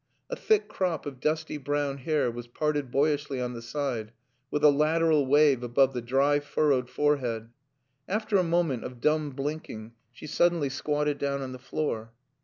A thick crop of dusty brown hair was parted boyishly on the side with a lateral wave above the dry, furrowed forehead. After a moment of dumb blinking, she suddenly squatted down on the floor.